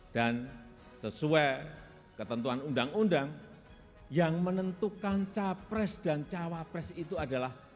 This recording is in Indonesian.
dan sesuai ketentuan undang undang yang menentukan capres dan cawapres itu adalah